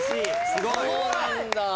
すごい！